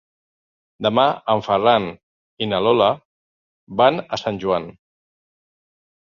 Demà en Ferran i na Lola van a Sant Joan.